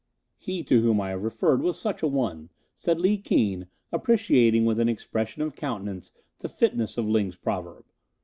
'" "He to whom I have referred was such a one," said Li Keen, appreciating with an expression of countenance the fitness of Ling's proverb.